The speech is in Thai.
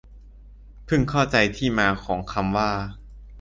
เพิ่งเข้าใจที่มาของคำว่า